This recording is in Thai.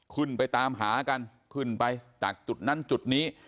ขึ้นไปตามหากันขึ้นไปจากจุดนั้นจุดนี้